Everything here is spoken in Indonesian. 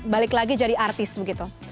balik lagi jadi artis begitu